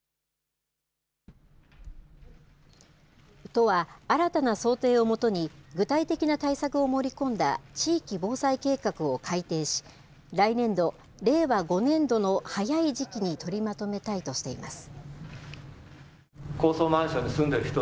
都は新たな想定をもとに、具体的な対策を盛り込んだ地域防災計画を改定し、来年度・令和５年度の早い時期に取りまとめたいとしています。